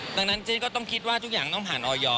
ดังนั้นเจ๊ก็ต้องคิดว่าทุกอย่างต้องผ่านออย